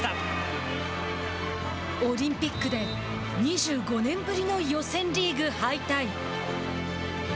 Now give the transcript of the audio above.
オリンピックで２５年ぶりの予選リーグ敗退。